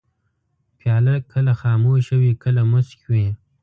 پیاله کله خاموشه وي، کله موسک وي.